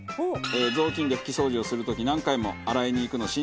雑巾で拭き掃除をする時何回も洗いに行くのしんどい。